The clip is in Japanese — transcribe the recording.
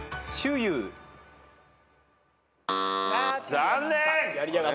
残念！